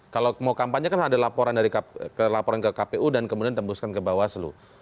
kalau mau kampanye kan ada laporan ke kpu dan kemudian tembuskan ke bawah seluruh